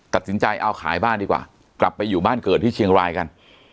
ตัดสินใจเอาขายบ้านดีกว่ากลับไปอยู่บ้านเกิดที่เชียงรายกัน